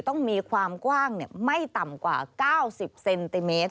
ต้องมีความกว้างไม่ต่ำกว่า๙๐เซนติเมตร